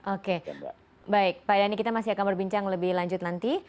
oke baik pak dhani kita masih akan berbincang lebih lanjut nanti